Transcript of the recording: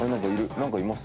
何かいます。